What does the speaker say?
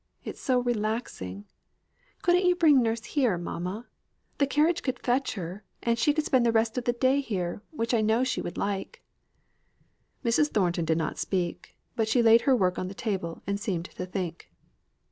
It is so relaxing. Couldn't you bring nurse here, mamma? The carriage could fetch her, and she could spend the rest of the day here, which I know she would like." Mrs. Thornton did not speak; but she laid her work on the table, and seemed to think.